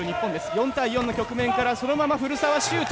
４対４の局面からそのまま古澤シュート！